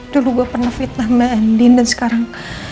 dulu gue pernah fitnah sama endin dan sekarang